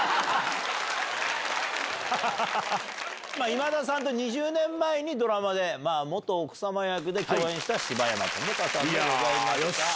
今田さんと２０年前にドラマで奥様役で共演した柴山智加さんでございました。